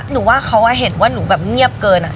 หนูว่าเขาเห็นว่าหนูแบบเงียบเกิน